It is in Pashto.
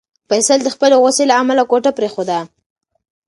فیصل د خپلې غوسې له امله کوټه پرېښوده.